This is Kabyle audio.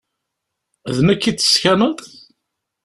D nekk i d-teskaneḍ?